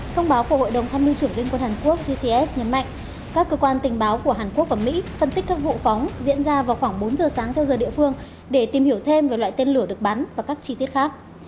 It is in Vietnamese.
thông báo của hội đồng tham mưu trưởng liên quân hàn quốc gcs nhấn mạnh các cơ quan tình báo của hàn quốc và mỹ phân tích các vụ phóng diễn ra vào khoảng bốn giờ sáng theo giờ địa phương để tìm hiểu thêm về loại tên lửa được bắn và các chi tiết khác